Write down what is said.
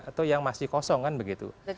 atau yang masih kosong kan begitu